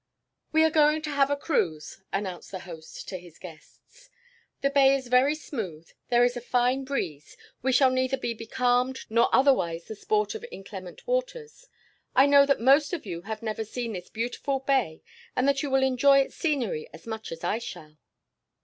"We are going to have a cruise," announced the host to his guests. "The bay is very smooth, there is a fine breeze, we shall neither be becalmed nor otherwise the sport of inclement waters. I know that most of you have never seen this beautiful bay and that you will enjoy its scenery as much as I shall."